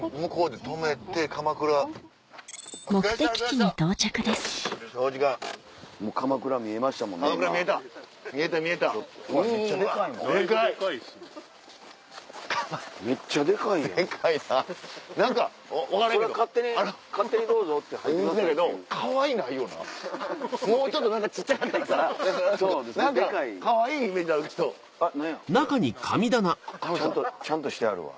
これちゃんとしてはるわ。